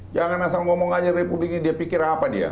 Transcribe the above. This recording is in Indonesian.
jangan asal ngomong aja republik ini dia pikir apa dia